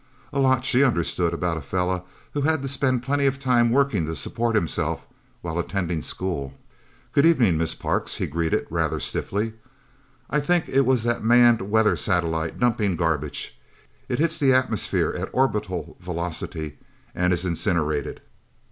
A lot she understood about a fella who had to spend plenty of time working to support himself, while attending school! "Good evening, Miss Parks," he greeted rather stiffly. "I think it was that manned weather satellite dumping garbage. It hits the atmosphere at orbital velocity, and is incinerated."